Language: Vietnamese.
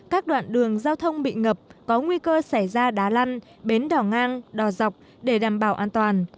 các đoạn đường giao thông bị ngập có nguy cơ xảy ra đá lăn bến đỏ ngang đỏ dọc để đảm bảo an toàn